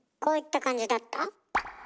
こういった感じだった？